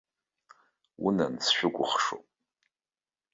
Унан, сшәыкәыхшоуп!